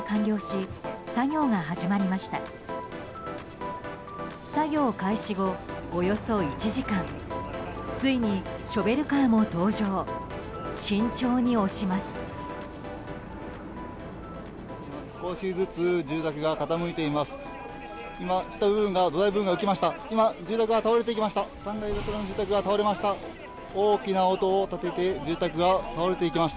少しずつ住宅が傾いています。